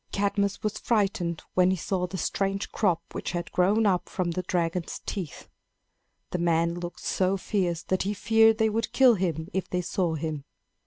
Cadmus was frightened when he saw the strange crop which had grown up from the dragon's teeth. The men looked so fierce that he feared they would kill him if they saw him.